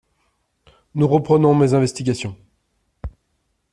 Nous reprenons mes investigations.